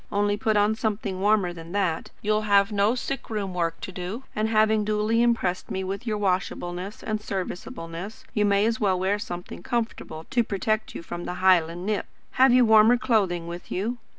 Only put on something warmer than that. You will have no sick room work to do; and having duly impressed me with your washableness and serviceableness, you may as well wear something comfortable to protect you from our Highland nip. Have you warmer clothing with you?"